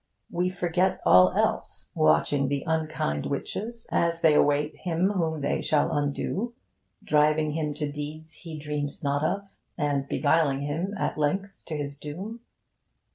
We forget all else, watching the unkind witches as they await him whom they shall undo, driving him to deeds he dreams not of, and beguiling him, at length, to his doom.